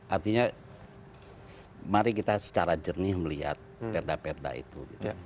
artinya mari kita secara jernih melihat perda perda itu